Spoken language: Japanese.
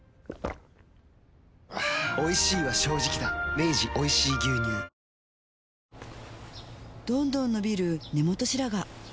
明治おいしい牛乳どんどん伸びる根元白髪